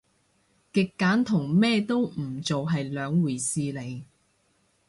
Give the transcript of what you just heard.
極簡同咩都唔做係兩回事嚟